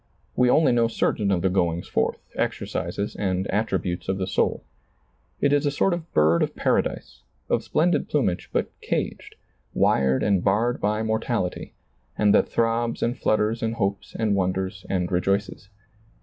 We only know certain of the goings forth, exer cises and attributes of the soul. It is a sort of bird of paradise, of splendid plumage, but caged, wired and barred by mortality, and that throbs and flutters and hopes and wonders and rejoices.